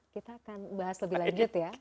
kita akan bahas lebih lanjut ya